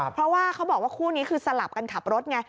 เพราะว่าเขาบอกว่าคู่นี้คือสลับกันขับรถไง